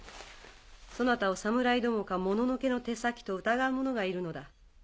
そなたを侍どもかもののけの手先と疑う者がいるのだ。